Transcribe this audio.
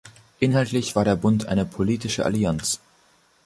Inhaltlich war der Bund eine politische Allianz.